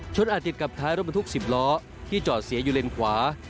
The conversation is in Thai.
อาจติดกับท้ายรถบรรทุก๑๐ล้อที่จอดเสียอยู่เลนขวา